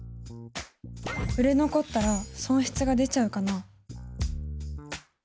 売れ残ったら損失が出ちゃうかな？